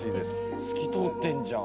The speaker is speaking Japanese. ・透き通ってんじゃん。